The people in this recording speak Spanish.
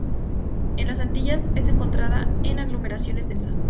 En las Antillas es encontrada en aglomeraciones densas.